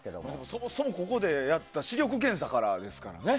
そもそもはここでやった視力検査からですからね。